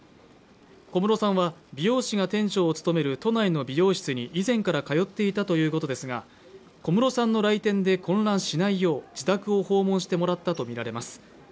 小室さんは美容師が店長を務める都内の美容室に以前から通っていたということですが、小室さんの来店で混乱しないよう、自宅を訪問してもらったものとみられます。